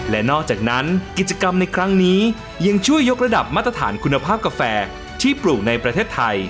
และนอกจากนั้นกิจกรรมในครั้งนี้ยังช่วยยกระดับมาตรฐานคุณภาพกาแฟที่ปลูกในประเทศไทย